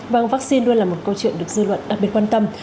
vâng vaccine luôn là một câu chuyện được dư luận đặc biệt quan tâm